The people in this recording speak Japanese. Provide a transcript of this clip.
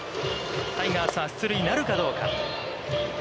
タイガースは出塁なるかどうか。